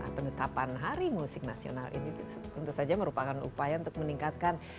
penetapan hari musik nasional ini tentu saja merupakan upaya untuk meningkatkan